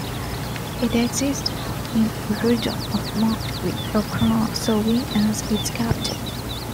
It existed in the region of Marche, with Ancona serving as its capital.